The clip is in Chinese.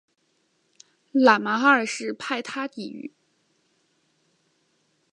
拉玛二世派他抵御。